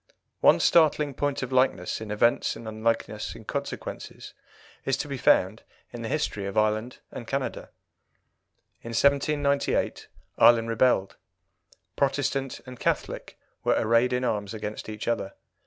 One startling point of likeness in events and unlikeness in consequences is to be found in the history of Ireland and Canada. In 1798 Ireland rebelled. Protestant and Catholic were arrayed in arms against each other.